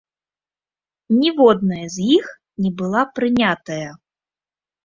Ніводная з іх не была прынятая.